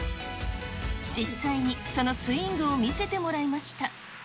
実際にそのスイングを見せてもらいました。